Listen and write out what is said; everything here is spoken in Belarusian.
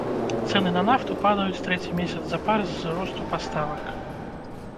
Цэны на нафту падаюць трэці месяц запар з-за росту паставак.